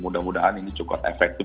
mudah mudahan ini cukup efektif